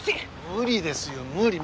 無理ですよ無理。